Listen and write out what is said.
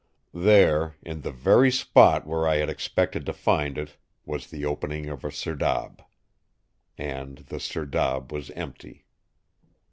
"There, in the very spot where I had expected to find it, was the opening of a serdab. And the serdab was empty.